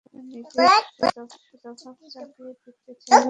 তবে নিজের শতভাগ চাপিয়ে দিতে চাইলে অন্যের ঘুম হারাম হয়ে যায়।